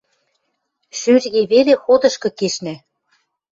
Шӧжге веле ходышкы кешна.